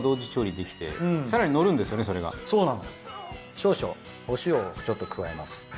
少々お塩をちょっと加えます。